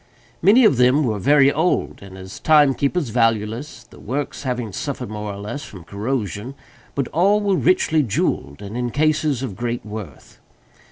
Many of them were very old, and as timekeepers valueless; the works having suffered, more or less, from corrosion—but all were richly jewelled and in cases of great worth.